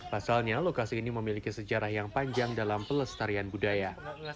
pasalnya lokasi ini memiliki sejarah yang panjang dalam pelestarian budaya